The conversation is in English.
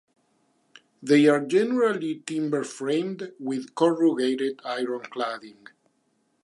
They are generally timber framed with corrugated iron cladding.